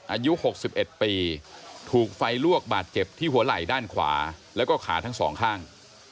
อายุ๖๑ปีถูกไฟลวกบาดเจ็บที่หัวไหล่ด้านขวาแล้วก็ขาทั้งสองข้าง